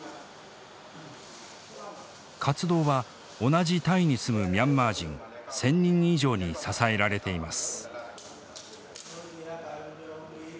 活動は同じタイに住むミャンマー人１，０００人以上に支えられています。